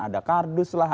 ada kardus lah